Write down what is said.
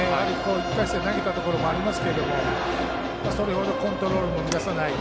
１回戦投げたところもあると思いますけどそれほどコントロールも乱さない。